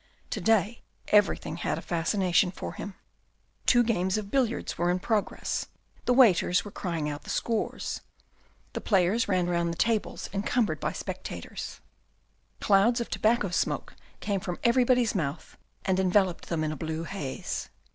To day, everything had a fascination for him. Two games of billiards were in progress. The waiters were crying out the scores. The players ran round the tables en A CAPITAL 169 cumbered by spectators. Clouds of tobacco smoke came from everybody's mouth, and enveloped them in a blue haze.